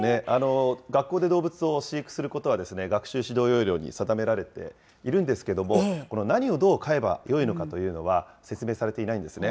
学校で動物を飼育することは学習指導要領に定められているんですけれども、何をどう飼えばよいのかというのは、説明されていないんですね。